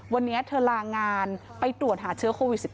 วันนี้เธอลางานไปตรวจหาเชื้อโควิด๑๙